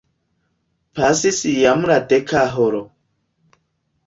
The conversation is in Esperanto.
Pasis jam la deka horo.